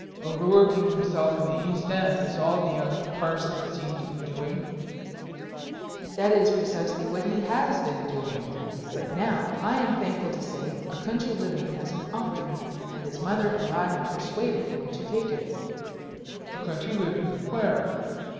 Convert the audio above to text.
"Overworking himself in the East End, as all the young parsons seem to be doing?" "That is precisely what he has been doing. But now, I am thankful to say, a country living has been offered him, and his mother and I have persuaded him to take it." "A country living? Where?"